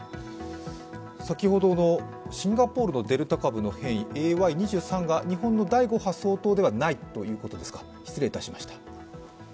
先ほどのシンガポールのデルタ株の変異、ＡＹ．２３が日本の第５波相当ではないということですか、失礼いたしました。